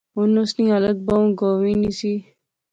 ہن اس نی حالت بہوں گنوی نی سی